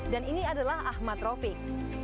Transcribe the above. dan ini adalah ahmad raufik